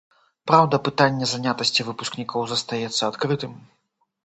Праўда, пытанне занятасці выпускнікоў застаецца адкрытым.